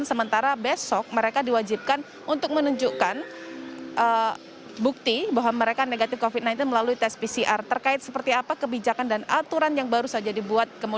sementara besok mereka diwajibkan untuk menunjukkan bukti bahwa mereka negatif covid sembilan belas melalui tes pcr terkait seperti apa kebijakan dan aturan yang baru saja dibuat